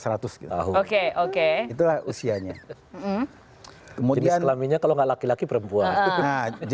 sebetulnya m nya menonjol kan